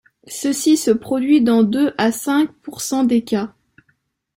Ceci se produit dans deux à cinq pour cent des cas.